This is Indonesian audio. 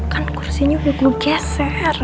kan kursinya gue geser